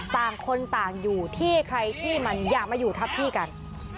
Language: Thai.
ต่างคนต่างอยู่ที่ใครที่มันอย่ามาอยู่ทับที่กัน